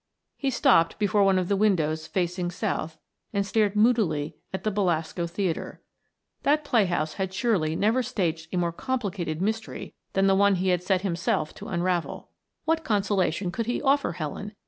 He stopped before one of the windows facing south and stared moodily at the Belasco Theater. That playhouse had surely never staged a more complicated mystery than the one he had set himself to unravel. What consolation could he offer Helen?